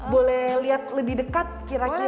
boleh lihat lebih dekat kira kira